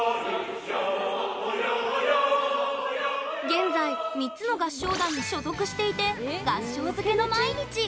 現在、３つの合唱団に所属していて合唱漬けの毎日。